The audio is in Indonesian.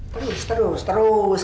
terus terus terus